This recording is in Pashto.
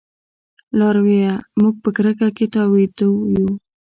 لارويه! موږ په کرکه کې تاوده يو